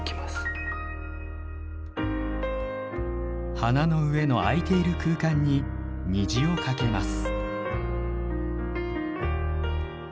花の上の空いている空間に虹をかけます。